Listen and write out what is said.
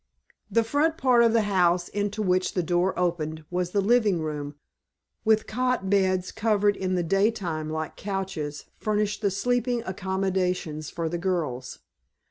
The front part of the house, into which the door opened, was the living room, with cot beds covered in the daytime like couches furnished the sleeping accommodations for the girls.